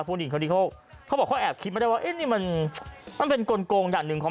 พวกนี้เขาเขาบอกเขาแอบคิดมาได้ว่าเอ๊ะนี่มันมันเป็นกล่นกลงอย่างหนึ่งของ